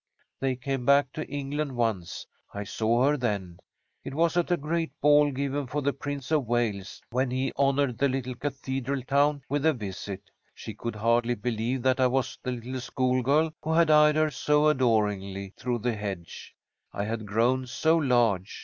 "They came back to England once. I saw her then. It was at a great ball given for the Prince of Wales when he honoured the little cathedral town with a visit. She could hardly believe that I was the little schoolgirl who had eyed her so adoringly through the hedge. I had grown so large.